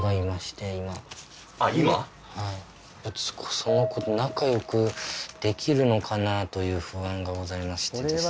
その子と仲良くできるのかなという不安がございまして。